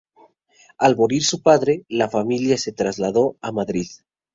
Al morir su padre, la familia se trasladó a Madrid.